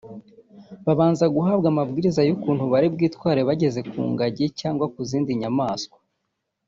babanza guhabwa amabwiriza y’ukuntu bari bwitware bageze ku ngagi cyangwa ku zindi nyamaswa